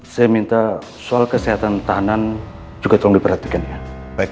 saya minta soal kesehatan tahanan juga tolong diperhatikan ya